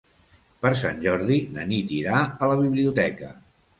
Per Sant Jordi na Nit irà a la biblioteca.